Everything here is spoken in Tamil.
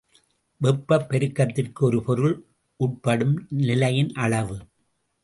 வெப்பப் பெருக்கத்திற்கு ஒரு பொருள் உட்படும் நிலையின் அளவு.